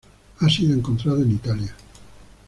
Ha sido encontrado en Italia.